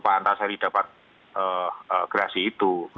pak antasari dapat gerasi itu